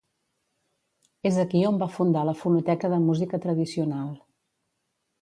És aquí on va fundar la Fonoteca de Música Tradicional.